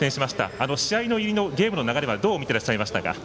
あの試合の入りのゲームの流れはどう見てらっしゃいましたか？